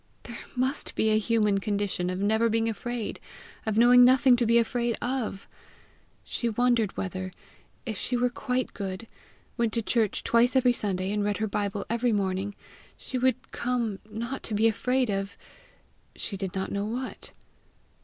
There must be a human condition of never being afraid, of knowing nothing to be afraid of! She wondered whether, if she were quite good, went to church twice every Sunday, and read her bible every morning, she would come not to be afraid of she did not know what.